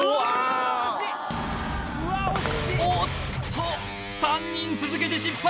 おっと３人続けて失敗